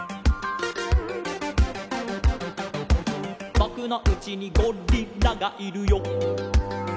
「ぼくのうちにゴリラがいるよ」